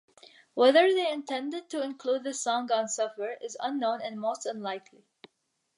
Whether they intended to include the song on "Suffer" is unknown and most unlikely.